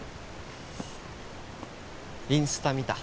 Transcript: インスタ見た。